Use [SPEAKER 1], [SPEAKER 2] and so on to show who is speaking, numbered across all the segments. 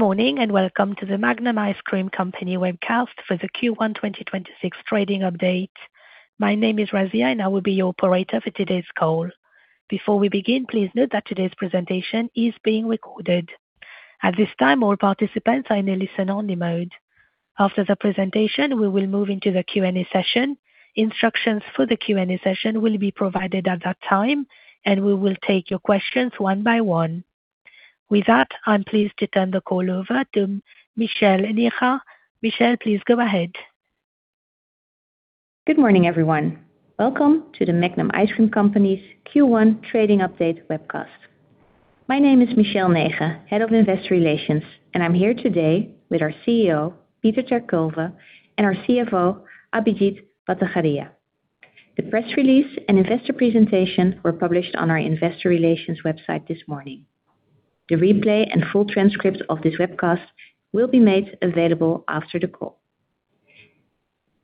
[SPEAKER 1] Good morning, and welcome to The Magnum Ice Cream Company webcast for the Q1 2026 trading update. My name is Razia. I will be your operator for today's call. Before we begin, please note that today's presentation is being recorded. At this time, all participants are in a listen-only mode. After the presentation, we will move into the Q&A session. Instructions for the Q&A session will be provided at that time. We will take your questions one by one. With that, I'm pleased to turn the call over to Michèle Negen. Michèle, please go ahead.
[SPEAKER 2] Good morning, everyone. Welcome to The Magnum Ice Cream Company's Q1 trading update webcast. My name is Michèle Negen, Head of Investor Relations, and I'm here today with our CEO, Peter ter Kulve, and our CFO, Abhijit Bhattacharya. The press release and investor presentation were published on our investor relations website this morning. The replay and full transcript of this webcast will be made available after the call.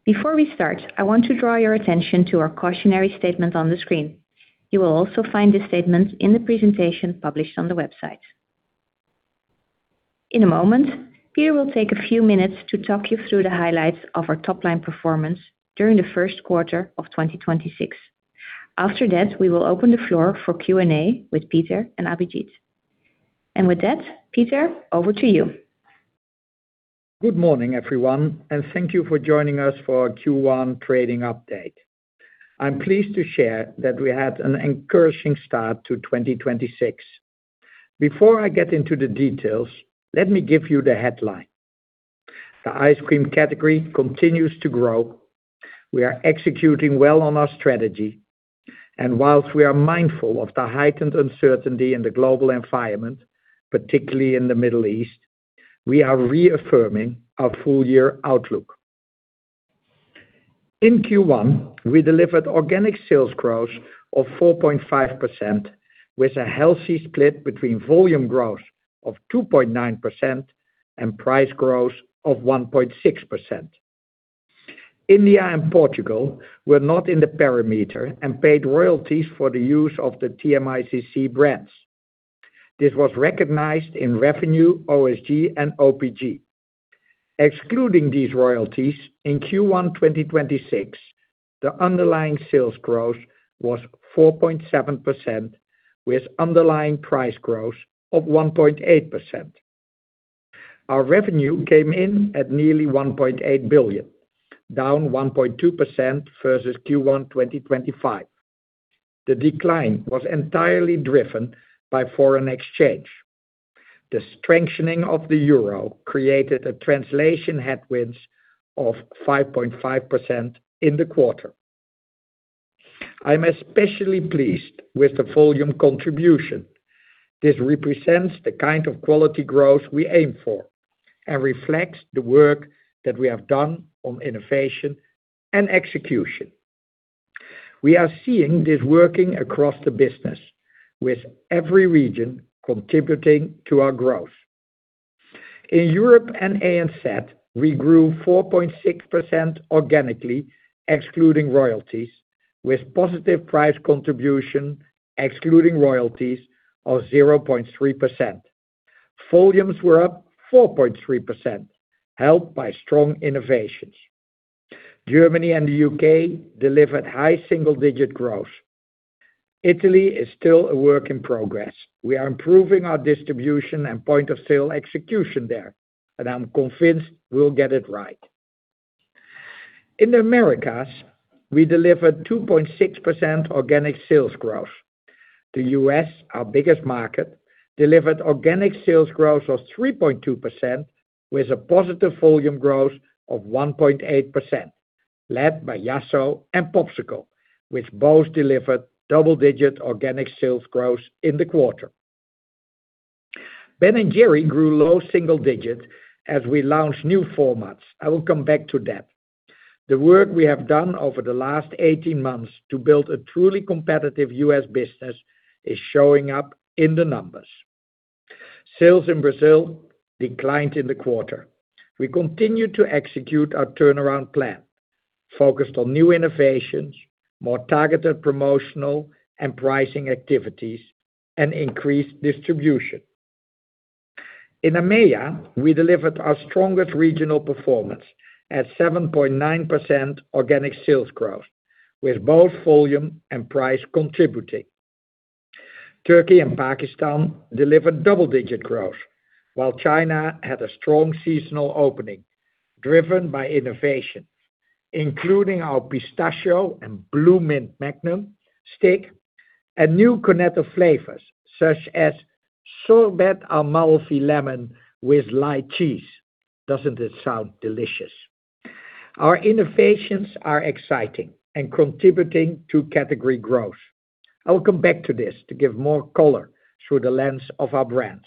[SPEAKER 2] Before we start, I want to draw your attention to our cautionary statement on the screen. You will also find this statement in the presentation published on the website. In a moment, Peter will take a few minutes to talk you through the highlights of our top line performance during the first quarter of 2026. After that, we will open the floor for Q&A with Peter and Abhijit. With that, Peter, over to you.
[SPEAKER 3] Good morning, everyone, and thank you for joining us for our Q1 trading update. I'm pleased to share that we had an encouraging start to 2026. Before I get into the details, let me give you the headline. The ice cream category continues to grow. We are executing well on our strategy, and whilst we are mindful of the heightened uncertainty in the global environment, particularly in the Middle East, we are reaffirming our full year outlook. In Q1, we delivered organic sales growth of 4.5% with a healthy split between volume growth of 2.9% and price growth of 1.6%. India and Portugal were not in the perimeter and paid royalties for the use of the TMICC brands. This was recognized in revenue, OSG and OPG. Excluding these royalties in Q1 2026, the underlying sales growth was 4.7% with underlying price growth of 1.8%. Our revenue came in at nearly 1.8 billion, down 1.2% versus Q1 2025. The decline was entirely driven by foreign exchange. The strengthening of the euro created a translation headwinds of 5.5% in the quarter. I'm especially pleased with the volume contribution. This represents the kind of quality growth we aim for and reflects the work that we have done on innovation and execution. We are seeing this working across the business with every region contributing to our growth. In Europe and ANZ, we grew 4.6% organically excluding royalties, with positive price contribution excluding royalties of 0.3%. Volumes were up 4.3%, helped by strong innovations. Germany and the U.K. delivered high single-digit growth. Italy is still a work in progress. We are improving our distribution and point of sale execution there, and I'm convinced we'll get it right. In the Americas, we delivered 2.6% organic sales growth. The U.S., our biggest market, delivered organic sales growth of 3.2% with a positive volume growth of 1.8%, led by Yasso and Popsicle, which both delivered double-digit organic sales growth in the quarter. Ben & Jerry grew low single-digit as we launched new formats. I will come back to that. The work we have done over the last 18 months to build a truly competitive U.S. business is showing up in the numbers. Sales in Brazil declined in the quarter. We continued to execute our turnaround plan focused on new innovations, more targeted promotional and pricing activities, and increased distribution. In EMEA, we delivered our strongest regional performance at 7.9% organic sales growth, with both volume and price contributing. Turkey and Pakistan delivered double-digit growth, while China had a strong seasonal opening driven by innovation, including our pistachio and blue mint Magnum Stick and new Cornetto flavors such as Sorbet Amalfi Lemon with light cheese. Doesn't this sound delicious? Our innovations are exciting and contributing to category growth. I will come back to this to give more color through the lens of our brands.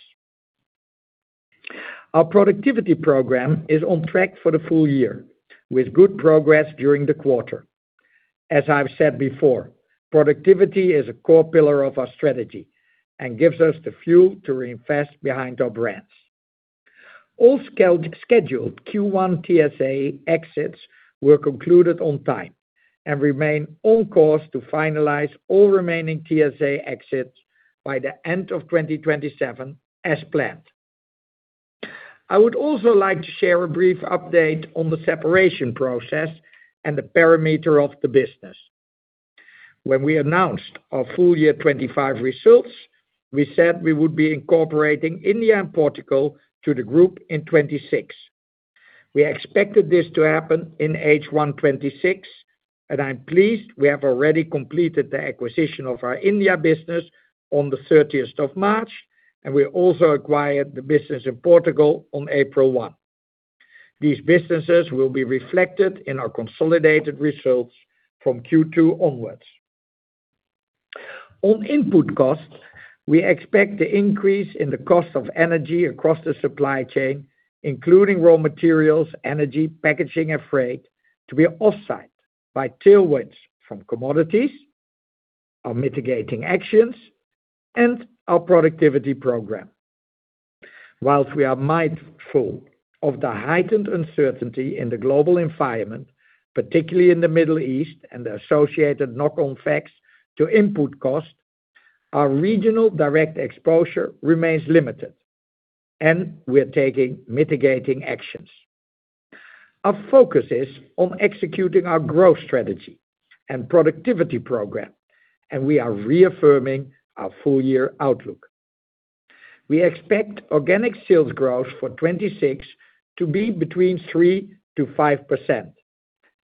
[SPEAKER 3] Our productivity program is on track for the full year with good progress during the quarter. As I've said before, productivity is a core pillar of our strategy and gives us the fuel to reinvest behind our brands. All scheduled Q1 TSA exits were concluded on time and remain on course to finalize all remaining TSA exits by the end of 2027 as planned. I would also like to share a brief update on the separation process and the perimeter of the business. When we announced our full year 2025 results, we said we would be incorporating India and Portugal to the group in 2026. We expected this to happen in H1 2026, and I'm pleased we have already completed the acquisition of our India business on the March 30th, and we also acquired the business in Portugal on April 1. These businesses will be reflected in our consolidated results from Q2 onwards. On input costs, we expect the increase in the cost of energy across the supply chain, including raw materials, energy, packaging and freight, to be offset by tailwinds from commodities, our mitigating actions, and our productivity program. Whilst we are mindful of the heightened uncertainty in the global environment, particularly in the Middle East and the associated knock-on effects to input costs, our regional direct exposure remains limited and we're taking mitigating actions. Our focus is on executing our growth strategy and productivity program, and we are reaffirming our full year outlook. We expect organic sales growth for 2026 to be between 3%-5%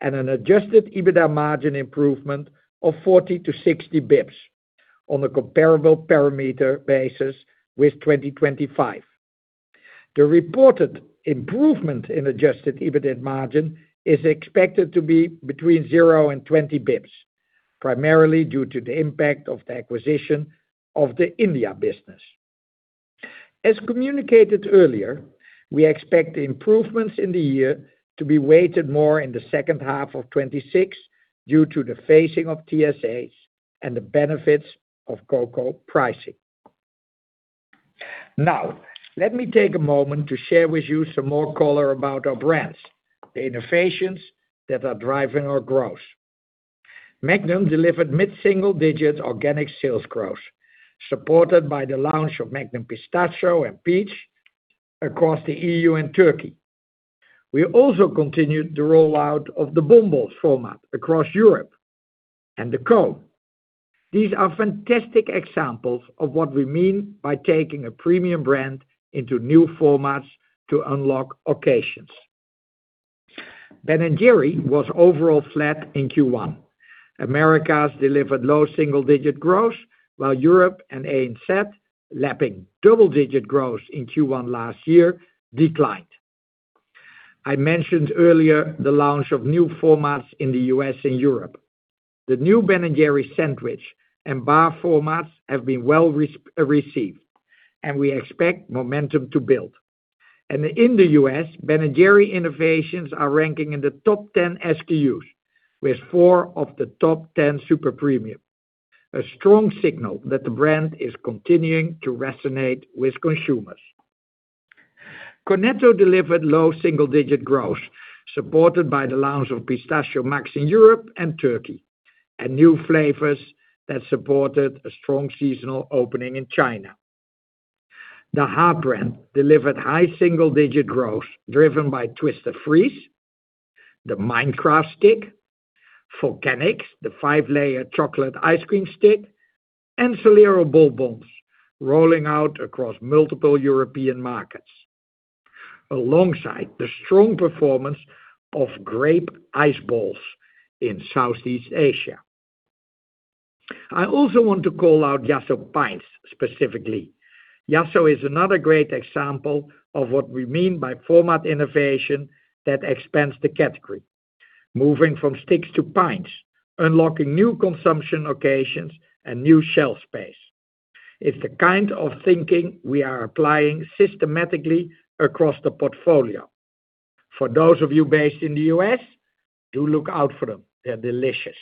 [SPEAKER 3] and an adjusted EBITDA margin improvement of 40 basis points-60 basis points on a comparable parameter basis with 2025. The reported improvement in adjusted EBITDA margin is expected to be between 0 basis points and 20 basis points, primarily due to the impact of the acquisition of the India business. As communicated earlier, we expect improvements in the year to be weighted more in the second half of 2026 due to the phasing of TSAs and the benefits of cocoa pricing. Let me take a moment to share with you some more color about our brands, the innovations that are driving our growth. Magnum delivered mid-single-digit organic sales growth, supported by the launch of Magnum Pistachio and peach across the EU and Turkey. We also continued the rollout of the BonBons format across Europe and the cone. These are fantastic examples of what we mean by taking a premium brand into new formats to unlock occasions. Ben & Jerry's was overall flat in Q1. Americas delivered low single-digit growth, while Europe and ANZ, lapping double-digit growth in Q1 last year, declined. I mentioned earlier the launch of new formats in the U.S. and Europe. The new Ben & Jerry sandwich and bar formats have been well received, and we expect momentum to build. In the U.S., Ben & Jerry innovations are ranking in the top 10 SKUs, with four of the top 10 super premium, a strong signal that the brand is continuing to resonate with consumers. Cornetto delivered low single-digit growth, supported by the launch of Pistachio Max in Europe and Turkey and new flavors that supported a strong seasonal opening in China. The Heartbrand delivered high single digit growth, driven by Twister Freeze, the Minecraft Stick, Volcanix, the five-layer chocolate ice cream stick, and Solero Bonbons rolling out across multiple European markets, alongside the strong performance of Ice Ball Red Grape in Southeast Asia. I also want to call out Yasso Pints specifically. Yasso is another great example of what we mean by format innovation that expands the category, moving from sticks to pints, unlocking new consumption occasions and new shelf space. It's the kind of thinking we are applying systematically across the portfolio. For those of you based in the U.S., do look out for them. They're delicious.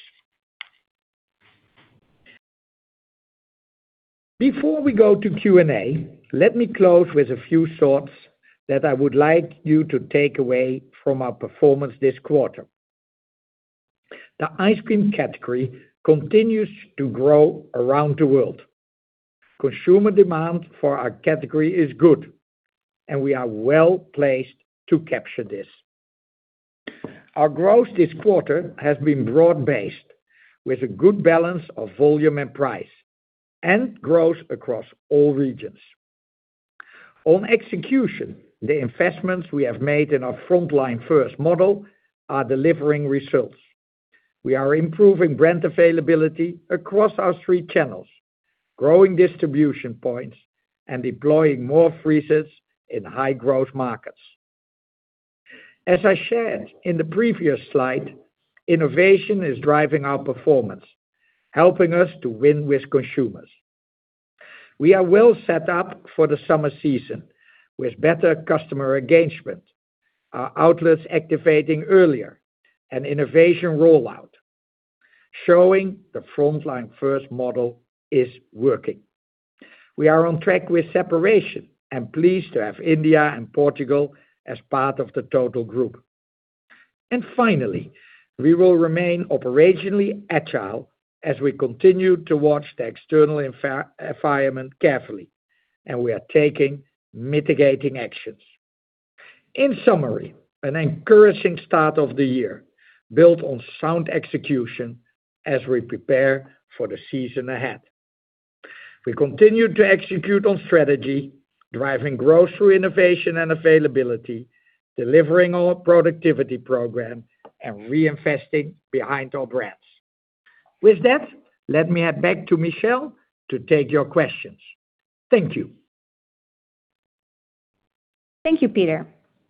[SPEAKER 3] Before we go to Q&A, let me close with a few thoughts that I would like you to take away from our performance this quarter. The ice cream category continues to grow around the world. Consumer demand for our category is good, and we are well-placed to capture this. Our growth this quarter has been broad-based, with a good balance of volume and price and growth across all regions. On execution, the investments we have made in our Frontline First model are delivering results. We are improving brand availability across our three channels, growing distribution points, and deploying more freezers in high-growth markets. As I shared in the previous slide, innovation is driving our performance, helping us to win with consumers. We are well set up for the summer season with better customer engagement, our outlets activating earlier, and innovation rollout, showing the Frontline First model is working. We are on track with separation and pleased to have India and Portugal as part of the total group. Finally, we will remain operationally agile as we continue to watch the external environment carefully, and we are taking mitigating actions. In summary, an encouraging start of the year built on sound execution as we prepare for the season ahead. We continue to execute on strategy, driving growth through innovation and availability, delivering our productivity program, and reinvesting behind our brands. With that, let me hand back to Michèle Negen to take your questions. Thank you.
[SPEAKER 2] Thank you, Peter.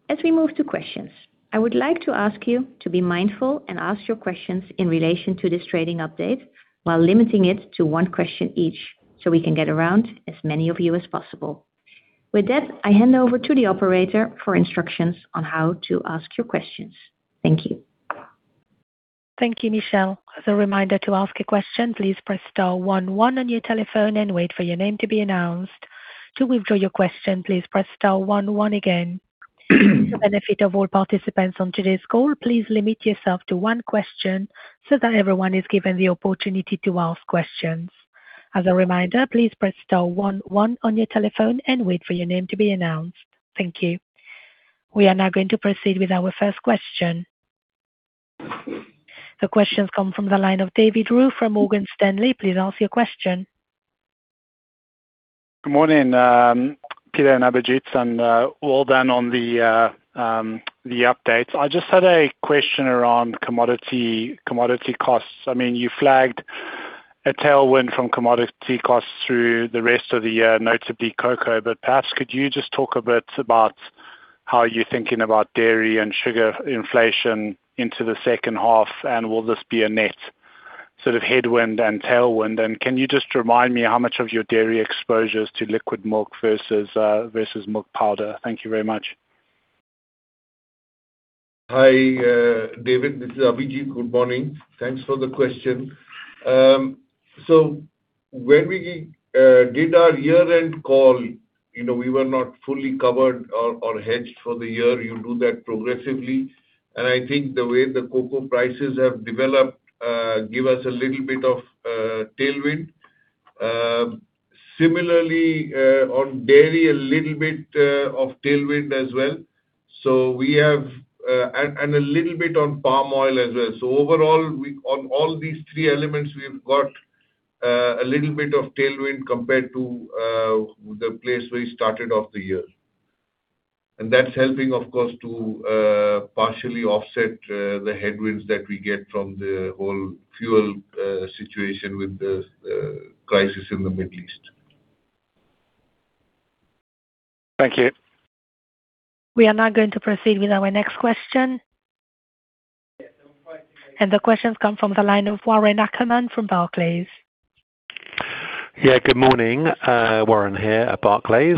[SPEAKER 2] As we move to questions, I would like to ask you to be mindful and ask your questions in relation to this trading update while limiting it to one question each, so we can get around as many of you as possible. With that, I hand over to the operator for instructions on how to ask your questions. Thank you.
[SPEAKER 1] Thank you, Michèle. As a reminder, to ask a question, please press star one one on your telephone and wait for your name to be announced. To withdraw your question, please press star one one again. To benefit of all participants on today's call, please limit yourself to one question so that everyone is given the opportunity to ask questions. As a reminder, please press star one one on your telephone and wait for your name to be announced. Thank you. We are now going to proceed with our first question. The questions come from the line of David Roux from Morgan Stanley. Please ask your question.
[SPEAKER 4] Good morning, Peter and Abhijit, well done on the updates. I just had a question around commodity costs. I mean, you flagged a tailwind from commodity costs through the rest of the year, notably cocoa. Perhaps could you just talk a bit about how you're thinking about dairy and sugar inflation into the second half, and will this be a net sort of headwind and tailwind? Can you just remind me how much of your dairy exposure is to liquid milk versus versus milk powder? Thank you very much.
[SPEAKER 5] Hi, David, this is Abhijit. Good morning. Thanks for the question. When we did our year-end call, you know, we were not fully covered or hedged for the year. You do that progressively, I think the way the cocoa prices have developed give us a little bit of tailwind. Similarly, on dairy, a little bit of tailwind as well. We have and a little bit on palm oil as well. Overall, on all these three elements, we've got a little bit of tailwind compared to the place we started off the year. That's helping, of course, to partially offset the headwinds that we get from the whole fuel situation with the crisis in the Middle East.
[SPEAKER 4] Thank you.
[SPEAKER 1] We are now going to proceed with our next question. The questions come from the line of Warren Ackerman from Barclays.
[SPEAKER 6] Good morning. Warren Ackerman here at Barclays.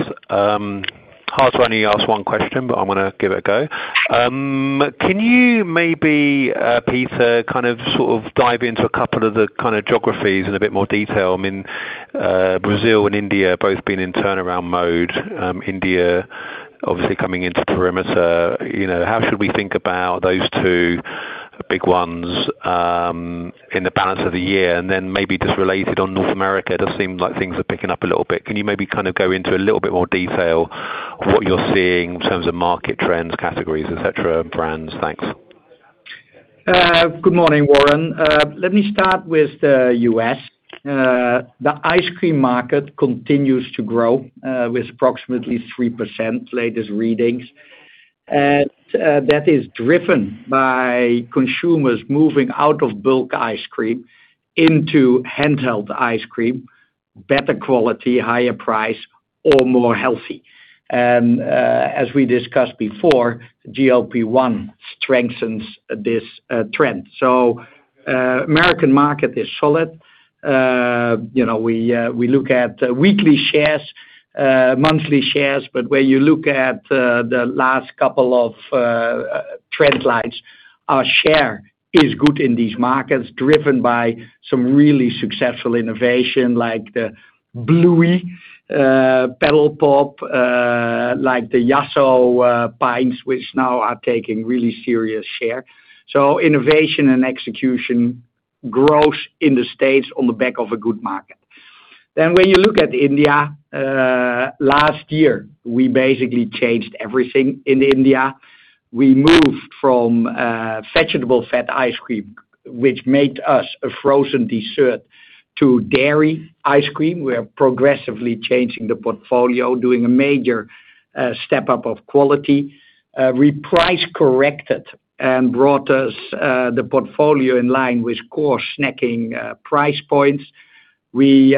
[SPEAKER 6] Hard to only ask one question, I'm gonna give it a go. Can you maybe, Peter, kind of, sort of dive into a couple of the kind of geographies in a bit more detail? I mean, Brazil and India both being in turnaround mode, India obviously coming into perimeter. You know, how should we think about those two big ones in the balance of the year? Maybe just related on North America, does seem like things are picking up a little bit. Can you maybe kind of go into a little bit more detail of what you're seeing in terms of market trends, categories, etc, brands? Thanks.
[SPEAKER 3] Good morning, Warren. Let me start with the U.S. The ice cream market continues to grow with approximately 3% latest readings. That is driven by consumers moving out of bulk ice cream into handheld ice cream, better quality, higher price or more healthy. As we discussed before, GLP-1 strengthens this trend. American market is solid. You know, we look at weekly shares, monthly shares, but when you look at the last couple of trend lines, our share is good in these markets, driven by some really successful innovation like the Bluey, Paddle Pop, like the Yasso Pints, which now are taking really serious share. Innovation and execution grows in the States on the back of a good market. When you look at India, last year, we basically changed everything in India. We moved from vegetable fat ice cream, which made us a frozen dessert, to dairy ice cream. We are progressively changing the portfolio, doing a major step-up of quality. We price corrected and brought us the portfolio in line with core snacking price points. We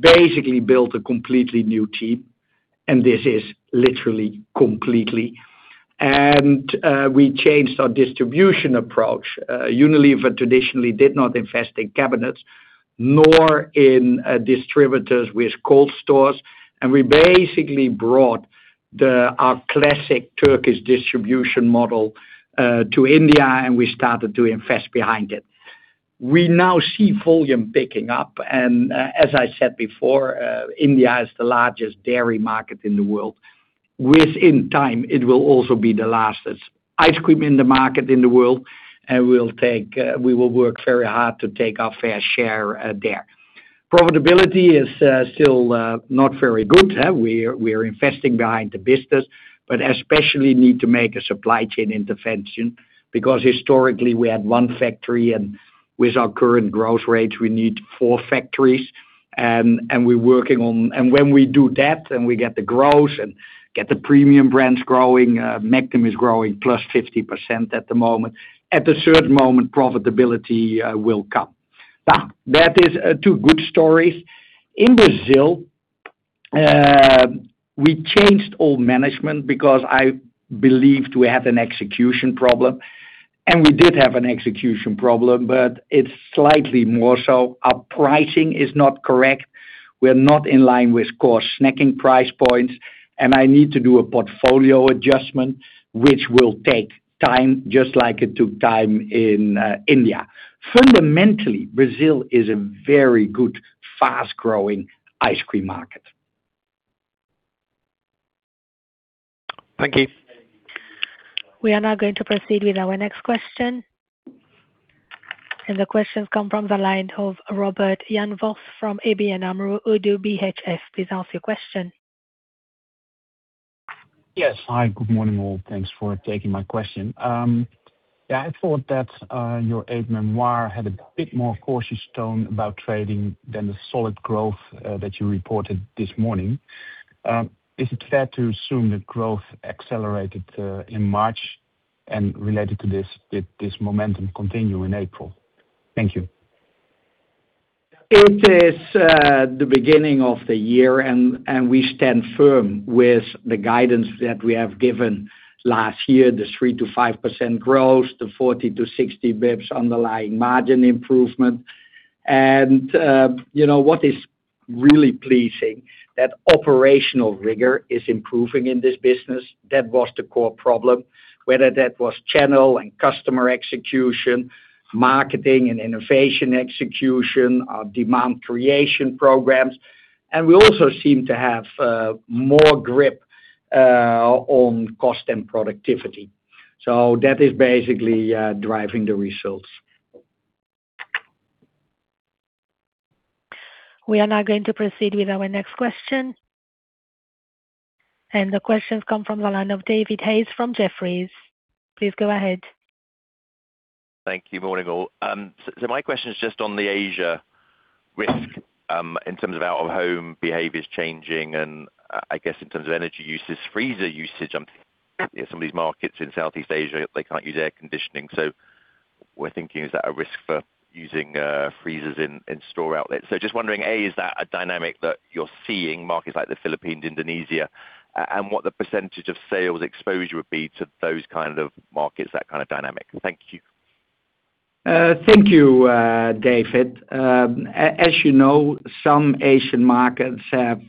[SPEAKER 3] basically built a completely new team, and this is literally completely. We changed our distribution approach. Unilever traditionally did not invest in cabinets nor in distributors with cold stores. We basically brought the our classic Turkish distribution model to India, and we started to invest behind it. We now see volume picking up and, as I said before, India is the largest dairy market in the world. Within time, it will also be the largest ice cream in the market in the world, and we will work very hard to take our fair share there. Profitability is still not very good. We're investing behind the business, but especially need to make a supply chain intervention because historically we had one factory and with our current growth rates, we need four factories, and we're working on that. When we do that, and we get the growth and get the premium brands growing, Magnum is growing +50% at the moment. At a certain moment, profitability will come. Now, that is two good stories. In Brazil, we changed old management because I believed we had an execution problem, and we did have an execution problem, but it's slightly more so. Our pricing is not correct. We're not in line with core snacking price points, and I need to do a portfolio adjustment, which will take time, just like it took time in India. Fundamentally, Brazil is a very good, fast-growing ice cream market.
[SPEAKER 6] Thank you.
[SPEAKER 1] We are now going to proceed with our next question. The question comes from the line of Robert Jan Vos from ABN AMRO ODDO BHF, please ask your question.
[SPEAKER 7] Yes. Hi, good morning, all. Thanks for taking my question. I thought that your aid memoir had a bit more cautious tone about trading than the solid growth that you reported this morning. Is it fair to assume that growth accelerated in March and related to this, did this momentum continue in April? Thank you.
[SPEAKER 3] It is the beginning of the year and we stand firm with the guidance that we have given last year, the 3%-5% growth, the 40-60 basis points underlying margin improvement. You know, what is really pleasing, that operational rigor is improving in this business. That was the core problem, whether that was channel and customer execution, marketing and innovation execution, demand creation programs. We also seem to have more grip on cost and productivity. That is basically driving the results.
[SPEAKER 1] We are now going to proceed with our next question. The question comes from the line of David Hayes from Jefferies. Please go ahead.
[SPEAKER 8] Thank you. Morning, all. My question is just on the Asia risk, in terms of out-of-home behaviors changing and I guess in terms of energy usage, freezer usage, some of these markets in Southeast Asia, they can't use air conditioning. We're thinking, is that a risk for using freezers in store outlets? Just wondering, A, is that a dynamic that you're seeing markets like the Philippines, Indonesia, and what the percentage of sales exposure would be to those kind of markets, that kind of dynamic? Thank you.
[SPEAKER 3] Thank you, David. As you know, some Asian markets have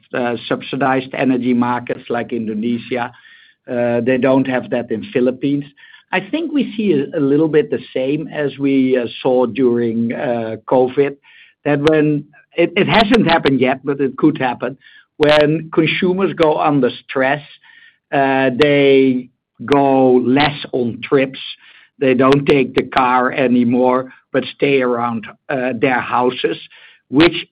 [SPEAKER 3] subsidized energy markets like Indonesia. They don't have that in Philippines. I think we see a little bit the same as we saw during COVID. It hasn't happened yet, but it could happen. When consumers go under stress, they go less on trips. They don't take the car anymore, but stay around their houses, which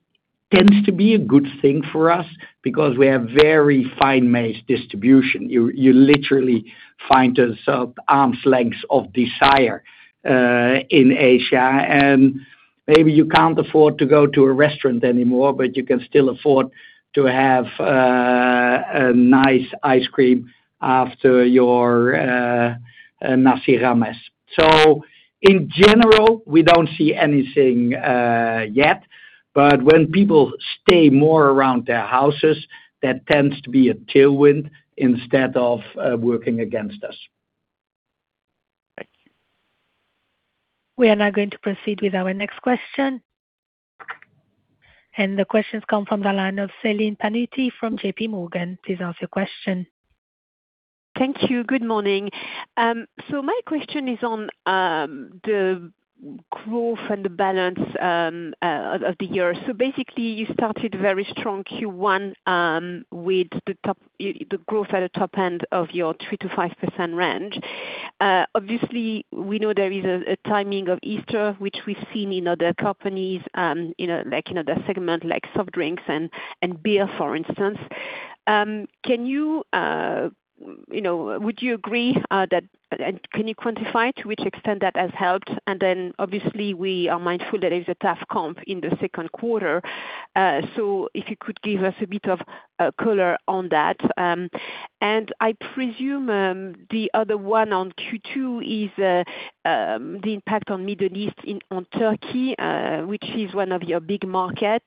[SPEAKER 3] tends to be a good thing for us because we have very fine meshed distribution. You literally find us at arms lengths of desire in Asia. Maybe you can't afford to go to a restaurant anymore, but you can still afford to have a nice ice cream after your nasi rames. In general, we don't see anything yet, but when people stay more around their houses, that tends to be a tailwind instead of working against us.
[SPEAKER 8] Thank you.
[SPEAKER 1] We are now going to proceed with our next question. The question comes from the line of Celine Pannuti from JPMorgan. Please ask your question.
[SPEAKER 9] Thank you. Good morning. My question is on the growth and the balance of the year. Basically, you started very strong Q1 with the growth at the top end of your 3%-5% range. Obviously, we know there is a timing of Easter, which we've seen in other companies, like the segment like soft drinks and beer, for instance. Can you, would you agree that? Can you quantify to which extent that has helped? Obviously, we are mindful that there's a tough comp in the second quarter. If you could give us a bit of color on that. I presume, the other one on Q2 is the impact on Middle East in Turkey, which is one of your big markets.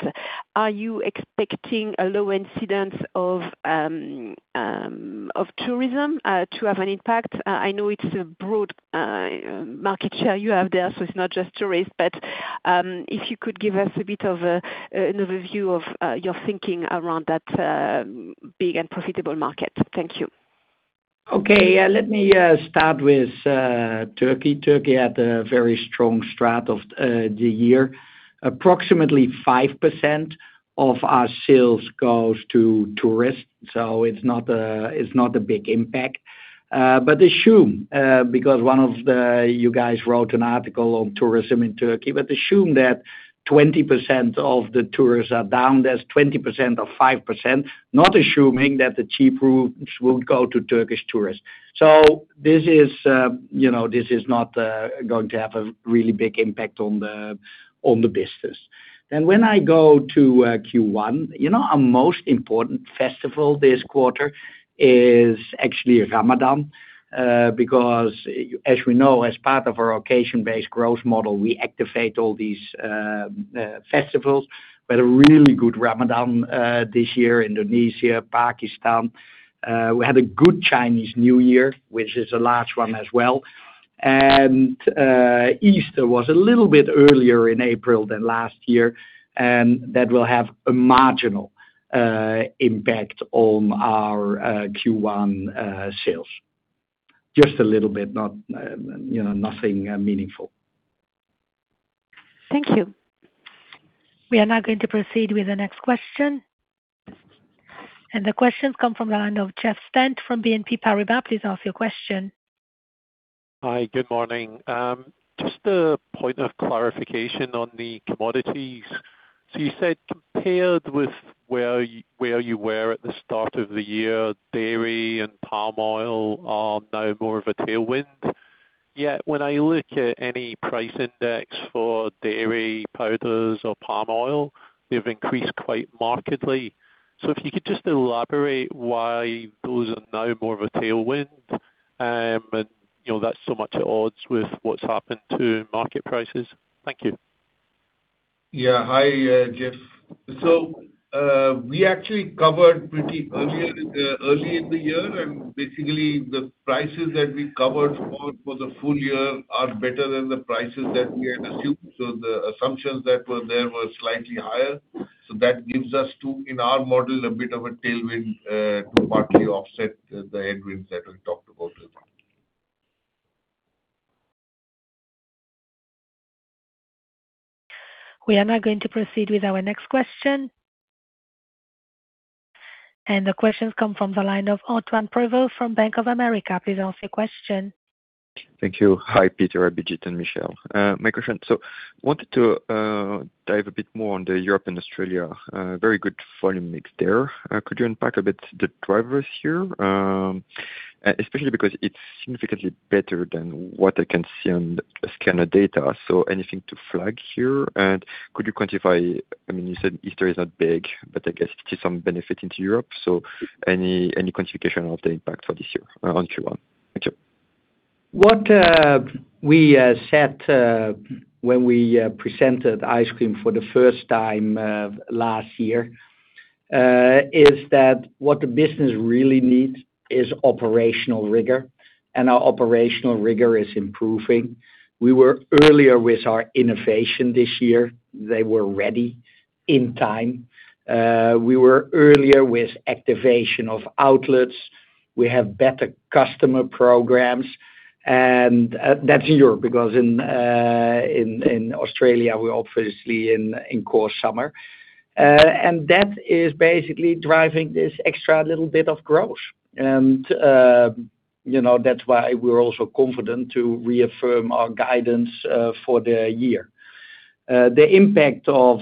[SPEAKER 9] Are you expecting a low incidence of tourism to have an impact? I know it's a broad market share you have there, so it's not just tourists. If you could give us a bit of an overview of your thinking around that big and profitable market. Thank you.
[SPEAKER 3] Okay. Yeah, let me start with Turkey. Turkey had a very strong start of the year. Approximately 5% of our sales goes to tourists, so it's not a big impact. Assume, because you guys wrote an article on tourism in Turkey. Assume that 20% of the tourists are down. That's 20% of 5%, not assuming that the cheap routes won't go to Turkish tourists. This is, you know, this is not going to have a really big impact on the business. When I go to Q1, you know, our most important festival this quarter is actually Ramadan. Because as we know, as part of our occasion-based growth model, we activate all these festivals. We had a really good Ramadan this year, Indonesia, Pakistan. We had a good Chinese New Year, which is a large one as well. Easter was a little bit earlier in April than last year, and that will have a marginal impact on our Q1 sales. Just a little bit, not, you know, nothing meaningful.
[SPEAKER 1] Thank you. We are now going to proceed with the next question. The question's come from the line of Jeff Stent from BNP Paribas. Please ask your question.
[SPEAKER 10] Hi. Good morning. Just a point of clarification on the commodities. You said compared with where you were at the start of the year, dairy and palm oil are now more of a tailwind. Yet, when I look at any price index for dairy powders or palm oil, they've increased quite markedly. If you could just elaborate why those are now more of a tailwind, and, you know, that's so much at odds with what's happened to market prices. Thank you.
[SPEAKER 5] Hi, Jeff. We actually covered pretty early in the year, and basically the prices that we covered for the full year are better than the prices that we had assumed. The assumptions that were there were slightly higher. That gives us to, in our model, a bit of a tailwind to partly offset the headwinds that we talked about as well.
[SPEAKER 1] We are now going to proceed with our next question. The question's come from the line of Antoine Prevot from Bank of America. Please ask your question.
[SPEAKER 11] Thank you. Hi, Peter, Abhijit, and Michèle. My question. Wanted to dive a bit more on the Europe and Australia. Very good volume mix there. Could you unpack a bit the drivers here? Especially because it's significantly better than what I can see on scanner data. Anything to flag here? Could you quantify, I mean, you said Easter is not big, but I guess you see some benefit into Europe. Any quantification of the impact for this year on Q1? Thank you.
[SPEAKER 3] What we said when we presented ice cream for the first time last year is that what the business really needs is operational rigor, and our operational rigor is improving. We were earlier with our innovation this year. They were ready in time. We were earlier with activation of outlets. We have better customer programs, and that's in Europe because in Australia, we're obviously in core summer. That is basically driving this extra little bit of growth. You know, that's why we're also confident to reaffirm our guidance for the year. The impact of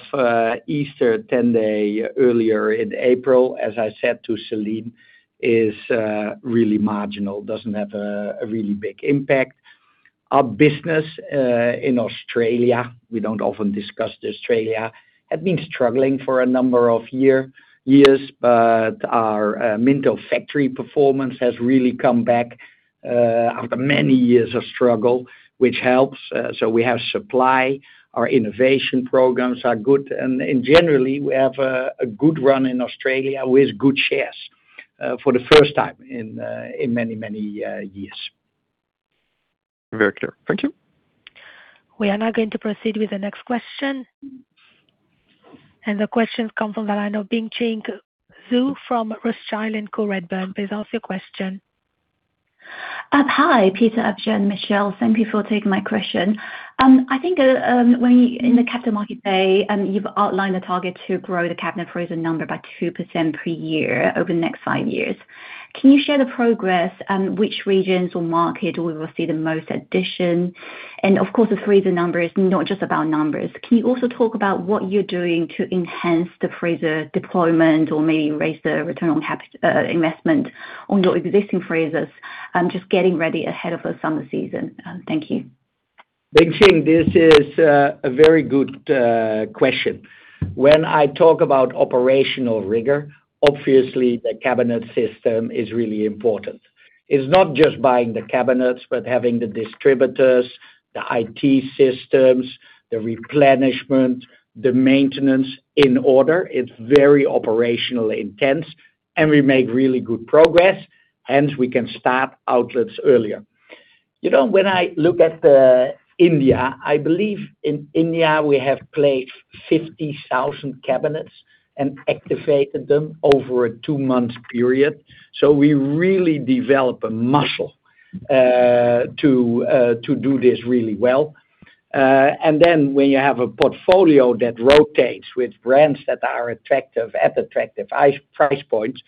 [SPEAKER 3] Easter 10 day earlier in April, as I said to Celine, is really marginal, doesn't have a really big impact. Our business in Australia, we don't often discuss Australia, had been struggling for a number of years, but our manufacturing performance has really come back after many years of struggle, which helps. We have supply. Our innovation programs are good. Generally, we have a good run in Australia with good shares for the first time in many years.
[SPEAKER 11] Very clear. Thank you.
[SPEAKER 1] We are now going to proceed with the next question. The question's come from the line of Bingqing Zhu from Rothschild & Co Redburn. Please ask your question.
[SPEAKER 12] Hi, Peter, Abhijit, and Michèle. Thank you for taking my question. When you in the Capital Markets Day, you've outlined the target to grow the cabinet freezer number by 2% per year over the next five years. Can you share the progress on which regions or market we will see the most addition? Of course, the freezer number is not just about numbers. Can you also talk about what you're doing to enhance the freezer deployment or maybe raise the return on capital investment on your existing freezers, just getting ready ahead of the summer season? Thank you.
[SPEAKER 3] Bingqing, this is a very good question. When I talk about operational rigor, obviously the cabinet system is really important. It's not just buying the cabinets, but having the distributors, the IT systems, the replenishment, the maintenance in order. It's very operationally intense, and we make really good progress, hence we can start outlets earlier. You know, when I look at India, I believe in India we have placed 50,000 cabinets and activated them over a two month period. We really develop a muscle to do this really well. When you have a portfolio that rotates with brands that are attractive, at attractive price points,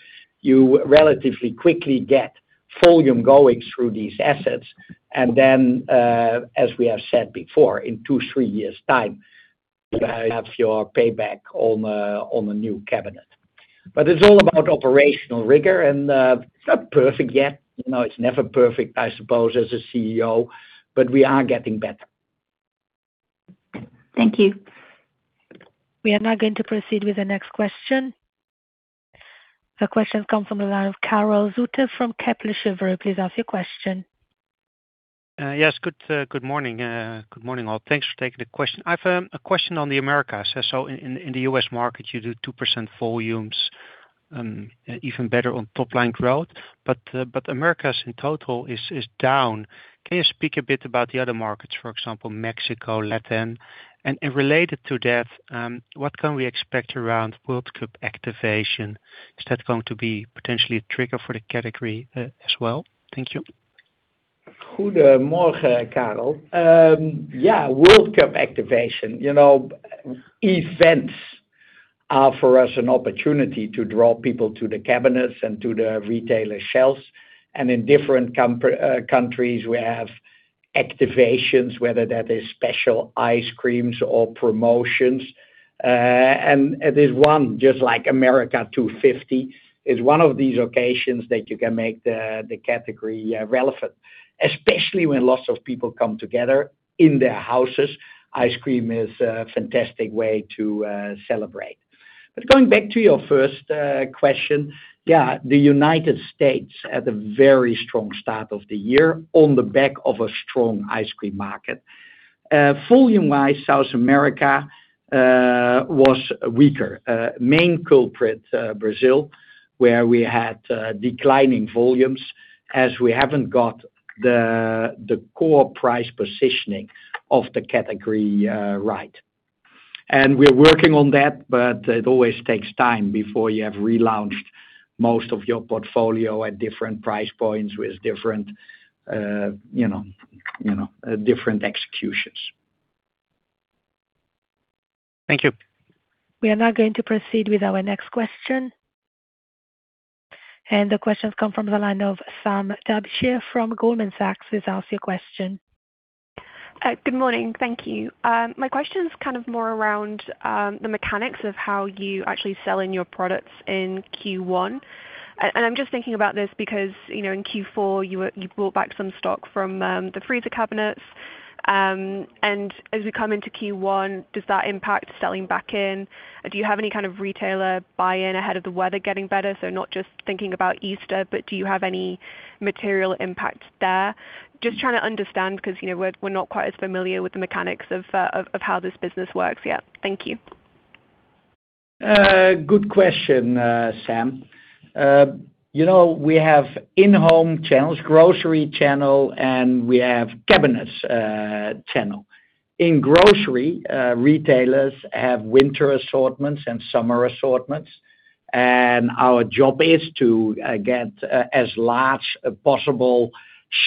[SPEAKER 3] you relatively quickly get volume going through these assets. As we have said before, in two, three years' time, you have your payback on a new cabinet. It's all about operational rigor and it's not perfect yet. You know, it's never perfect, I suppose, as a CEO, but we are getting better.
[SPEAKER 12] Thank you.
[SPEAKER 1] We are now going to proceed with the next question. The question comes from the line of Karel Zoete from Kepler Cheuvreux. Please ask your question.
[SPEAKER 13] Yes. Good morning. Good morning, all. Thanks for taking the question. I've a question on the Americas. In the U.S. market, you do 2% volumes, even better on top line growth. Americas in total is down. Can you speak a bit about the other markets, for example, Mexico, Latin? Related to that, what can we expect around World Cup activation? Is that going to be potentially a trigger for the category as well? Thank you.
[SPEAKER 3] Good morning, Karel. Yeah, World Cup activation. You know, events are for us an opportunity to draw people to the cabinets and to the retailer shelves. In different countries, we have activations, whether that is special ice creams or promotions. There's one just like America 250, is one of these occasions that you can make the category relevant, especially when lots of people come together in their houses. Ice cream is a fantastic way to celebrate. Going back to your first question. Yeah, the United States had a very strong start of the year on the back of a strong ice cream market. Volume-wise, South America was weaker. Main culprit, Brazil, where we had declining volumes as we haven't got the core price positioning of the category right. We're working on that, but it always takes time before you have relaunched most of your portfolio at different price points with different, you know, different executions.
[SPEAKER 13] Thank you.
[SPEAKER 1] We are now going to proceed with our next question. The question comes from the line of Sam Darbyshire from Goldman Sachs. Please ask your question.
[SPEAKER 14] Good morning. Thank you. My question is kind of more around the mechanics of how you actually sell in your products in Q1. I'm just thinking about this because, you know, in Q4, you brought back some stock from the freezer cabinets. As we come into Q1, does that impact selling back in? Do you have any kind of retailer buy-in ahead of the weather getting better? Not just thinking about Easter, but do you have any material impact there? Just trying to understand because, you know, we're not quite as familiar with the mechanics of how this business works yet. Thank you.
[SPEAKER 3] Good question, Sam. You know, we have in-home channels, grocery channel, and we have cabinets channel. In grocery, retailers have winter assortments and summer assortments. Our job is to get as large a possible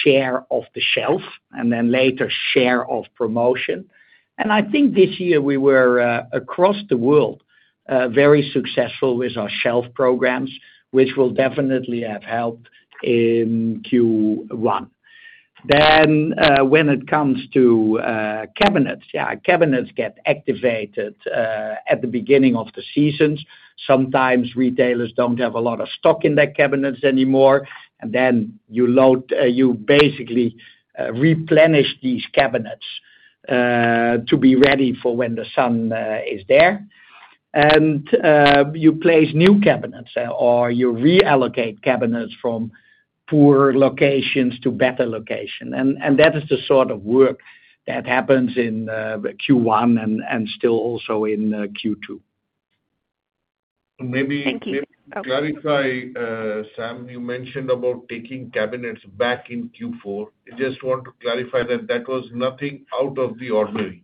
[SPEAKER 3] share of the shelf and then later share of promotion. I think this year we were across the world very successful with our shelf programs, which will definitely have helped in Q1. When it comes to cabinets. Cabinets get activated at the beginning of the seasons. Sometimes retailers don't have a lot of stock in their cabinets anymore. You basically replenish these cabinets to be ready for when the sun is there. You place new cabinets or you reallocate cabinets from poor locations to better location. That is the sort of work that happens in Q1 and still also in Q2.
[SPEAKER 14] Thank you.
[SPEAKER 5] Maybe clarify, Sam, you mentioned about taking cabinets back in Q4. I just want to clarify that that was nothing out of the ordinary.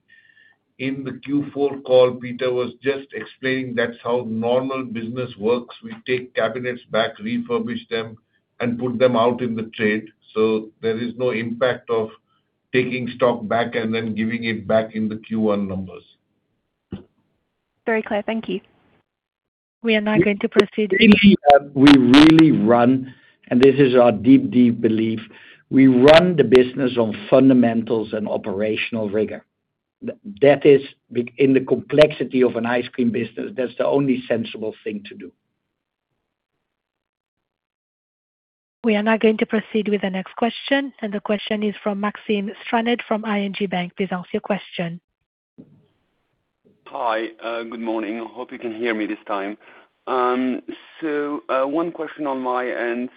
[SPEAKER 5] In the Q4 call, Peter was just explaining that's how normal business works. We take cabinets back, refurbish them, and put them out in the trade. There is no impact of taking stock back and then giving it back in the Q1 numbers.
[SPEAKER 14] Very clear. Thank you.
[SPEAKER 1] We are now going to proceed.
[SPEAKER 3] In here, we really run, and this is our deep, deep belief. We run the business on fundamentals and operational rigor. In the complexity of an ice cream business, that's the only sensible thing to do.
[SPEAKER 1] We are now going to proceed with the next question, and the question is from Maxime Stranart from ING Bank. Please ask your question.
[SPEAKER 15] Hi. Good morning. Hope you can hear me this time. One question on my end.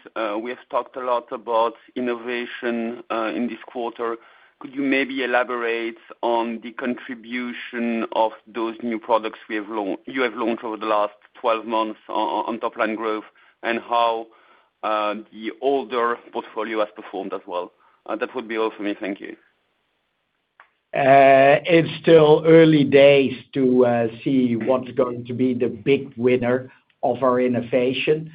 [SPEAKER 15] We have talked a lot about innovation in this quarter. Could you maybe elaborate on the contribution of those new products you have launched over the last 12 months on top line growth and how the older portfolio has performed as well? That would be all for me. Thank you.
[SPEAKER 3] It's still early days to see what's going to be the big winner of our innovation.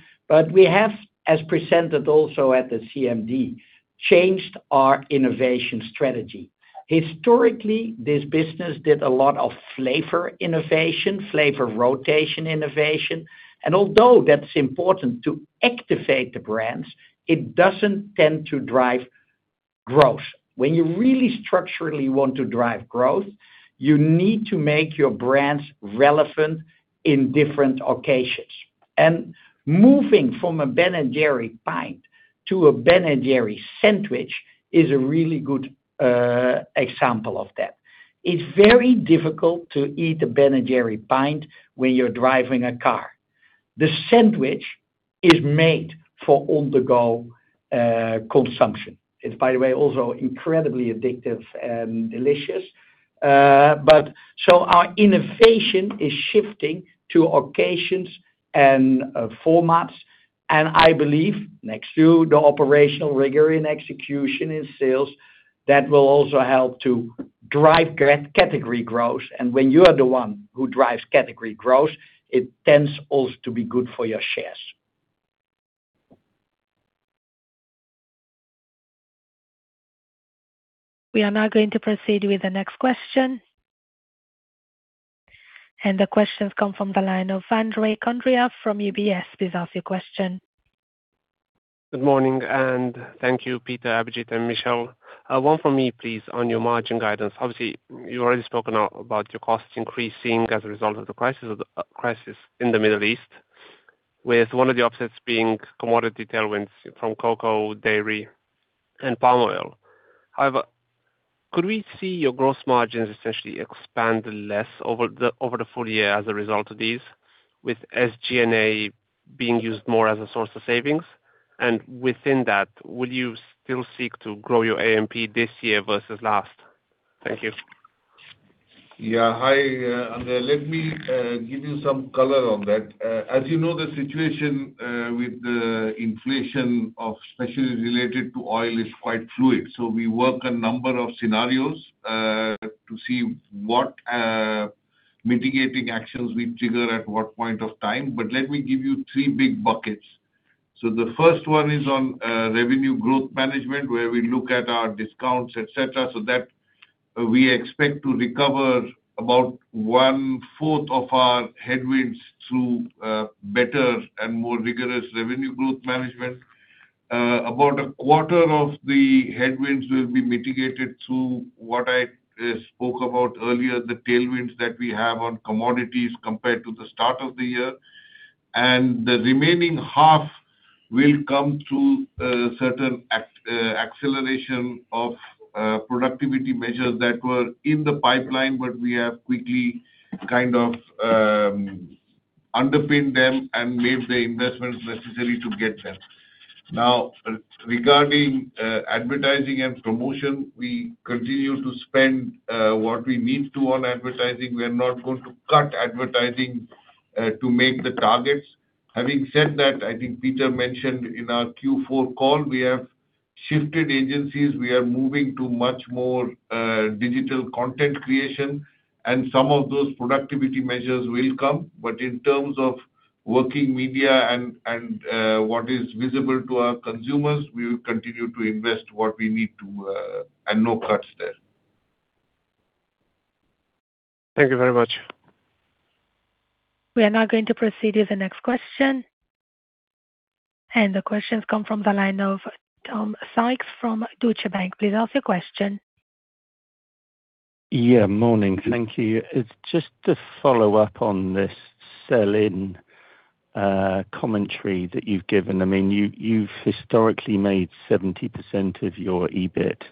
[SPEAKER 3] We have, as presented also at the CMD, changed our innovation strategy. Historically, this business did a lot of flavor innovation, flavor rotation innovation, and although that's important to activate the brands, it doesn't tend to drive growth. When you really structurally want to drive growth, you need to make your brands relevant in different occasions. Moving from a Ben & Jerry's's pint to a Ben & Jerry's's sandwich is a really good example of that. It's very difficult to eat a Ben & Jerry's's pint when you're driving a car. The sandwich is made for on-the-go consumption. It's, by the way, also incredibly addictive and delicious. Our innovation is shifting to occasions and formats, and I believe next to the operational rigor in execution in sales, that will also help to drive category growth. When you are the one who drives category growth, it tends also to be good for your shares.
[SPEAKER 1] We are now going to proceed with the next question. The question's come from the line of Andrei Condrea from UBS. Please ask your question.
[SPEAKER 16] Good morning, and thank you, Peter, Abhijit, and Michèle. One for me, please, on your margin guidance. Obviously, you already spoken about your costs increasing as a result of the crisis in the Middle East, with one of the offsets being commodity tailwinds from cocoa, dairy, and palm oil. However, could we see your gross margins essentially expand less over the full year as a result of these, with SG&A being used more as a source of savings? Within that, will you still seek to grow your AMP this year versus last? Thank you.
[SPEAKER 5] Hi, Andrei. Let me give you some color on that. As you know, the situation with the inflation of especially related to oil is quite fluid. We work a number of scenarios to see what mitigating actions we trigger at what point of time. Let me give you three big buckets. The first one is on revenue growth management, where we look at our discounts, etc, so that we expect to recover about 1/4 of our headwinds through better and more rigorous revenue growth management. About a quarter of the headwinds will be mitigated through what I spoke about earlier, the tailwinds that we have on commodities compared to the start of the year. The remaining half will come through certain acceleration of productivity measures that were in the pipeline, but we have quickly underpinned them and made the investments necessary to get them. Regarding advertising and promotion, we continue to spend what we need to on advertising. We're not going to cut advertising to make the targets. Having said that, I think Peter mentioned in our Q4 call, we have shifted agencies. We are moving to much more digital content creation, and some of those productivity measures will come. In terms of working media and what is visible to our consumers, we will continue to invest what we need to, and no cuts there.
[SPEAKER 16] Thank you very much.
[SPEAKER 1] We are now going to proceed with the next question. The question's come from the line of Tom Sykes from Deutsche Bank. Please ask your question.
[SPEAKER 17] Yeah. Morning. Thank you. It's just to follow up on this sell-in commentary that you've given. I mean, you've historically made 70% of your EBIT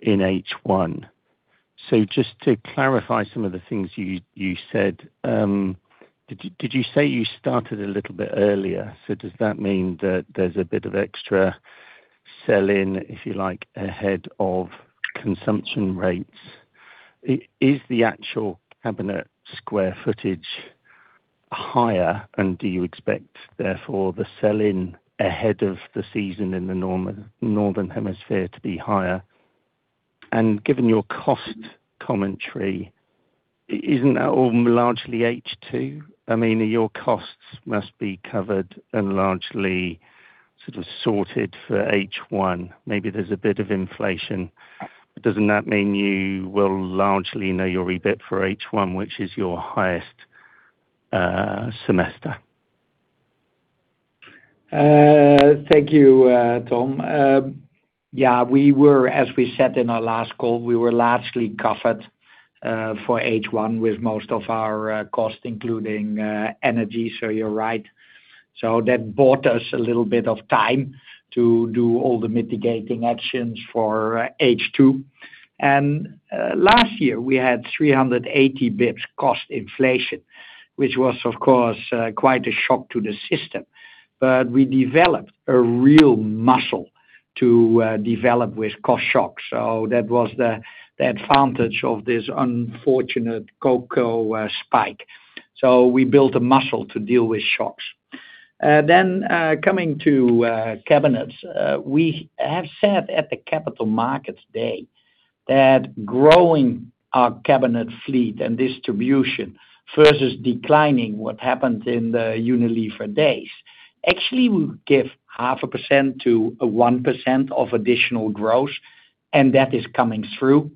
[SPEAKER 17] in H1. Just to clarify some of the things you said, did you say you started a little bit earlier? Does that mean that there's a bit of extra sell-in, if you like, ahead of consumption rates? Is the actual cabinet square footage higher, and do you expect therefore the sell-in ahead of the season in the Northern Hemisphere to be higher? Given your cost commentary, isn't that all largely H2? I mean, your costs must be covered and largely sort of sorted for H1. Maybe there's a bit of inflation. Doesn't that mean you will largely know your EBIT for H1, which is your highest semester?
[SPEAKER 3] Thank you, Tom. As we said in our last call, we were largely covered for H1 with most of our costs, including energy, so you're right. That bought us a little bit of time to do all the mitigating actions for H2. Last year we had 380 basis points cost inflation, which was of course quite a shock to the system. We developed a real muscle to develop with cost shocks. That was the advantage of this unfortunate cocoa spike. We built a muscle to deal with shocks. Coming to cabinets. We have said at the Capital Markets Day that growing our cabinet fleet and distribution versus declining what happened in the Unilever days, actually will give 0.5%-1% of additional growth. That is coming through.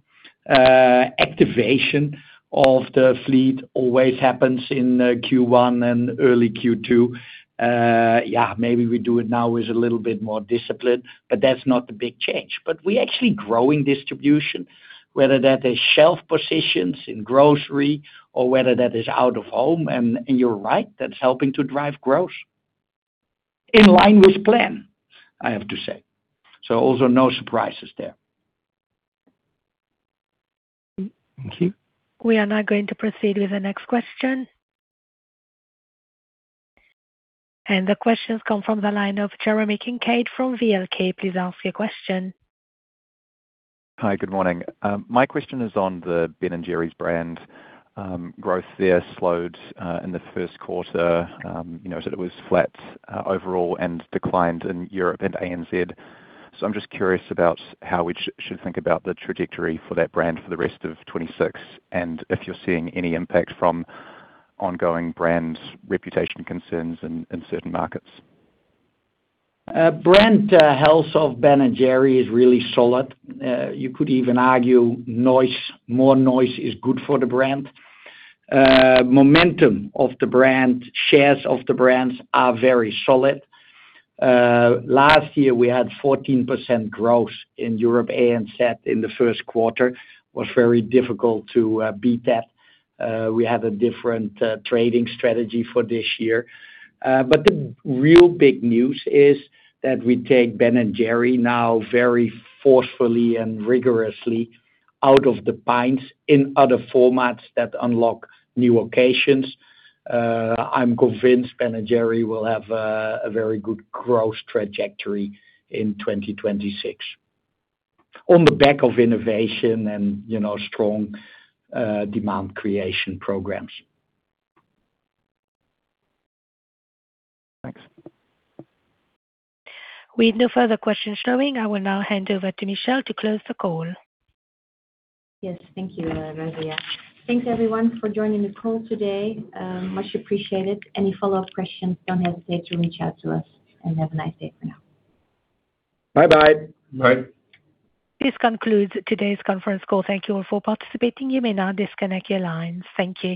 [SPEAKER 3] Activation of the fleet always happens in Q1 and early Q2. Maybe we do it now with a little bit more discipline, that is not the big change. We actually growing distribution, whether that is shelf positions in grocery or whether that is out of home. You are right, that is helping to drive growth. In line with plan, I have to say. Also no surprises there.
[SPEAKER 17] Thank you.
[SPEAKER 1] We are now going to proceed with the next question. The question comes from the line of Jeremy Kincaid from VLK. Please ask your question.
[SPEAKER 18] Hi, good morning. My question is on the Ben & Jerry's brand, growth there slowed in the first quarter. You know, it was flat overall and declined in Europe and ANZ. I'm just curious about how we should think about the trajectory for that brand for the rest of 2026, and if you're seeing any impact from ongoing brand reputation concerns in certain markets.
[SPEAKER 3] Brand health of Ben & Jerry's is really solid. You could even argue more noise is good for the brand. Momentum of the brand, shares of the brands are very solid. Last year we had 14% growth in Europe, ANZ in the first quarter. Was very difficult to beat that. We had a different trading strategy for this year. The real big news is that we take Ben & Jerry's now very forcefully and rigorously out of the pints in other formats that unlock new occasions. I'm convinced Ben & Jerry's will have a very good growth trajectory in 2026. On the back of innovation and, you know, strong demand creation programs.
[SPEAKER 18] Thanks.
[SPEAKER 1] With no further questions showing, I will now hand over to Michèle to close the call.
[SPEAKER 2] Yes. Thank you, Razia. Thanks everyone for joining the call today, much appreciated. Any follow-up questions, don't hesitate to reach out to us. Have a nice day for now.
[SPEAKER 3] Bye-bye.
[SPEAKER 5] Bye.
[SPEAKER 1] This concludes today's conference call. Thank you all for participating. You may now disconnect your lines. Thank you.